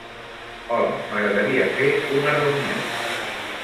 Hola, m'agradaria fer una reunió.